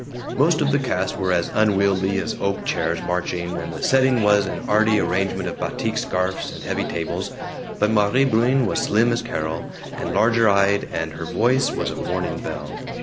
Most of the cast were as unwieldy as oak chairs marching, and the setting was an arty arrangement of batik scarfs and heavy tables, but Maire Bruin was slim as Carol, and larger eyed, and her voice was a morning bell.